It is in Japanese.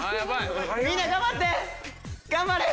みんな頑張って！